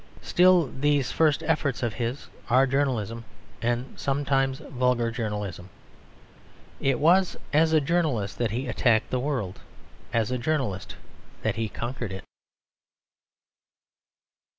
Still these first efforts of his are journalism, and sometimes vulgar journalism. It was as a journalist that he attacked the world, as a journalist that he conquered it.